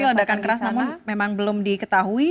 ini ledakan keras namun memang belum diketahui